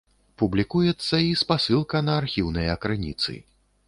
Публікуецца і спасылка на архіўныя крыніцы.